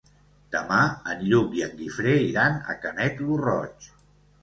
Demà en Lluc i en Guifré iran a Canet lo Roig.